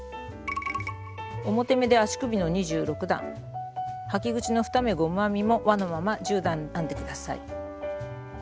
表目で足首の２６段履き口の２目ゴム編みも輪のまま１０段編んで下さい。